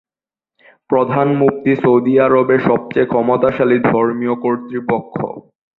প্রধান মুফতি সৌদি আরবের সবচেয়ে ক্ষমতাশালী ধর্মীয় কর্তৃপক্ষ।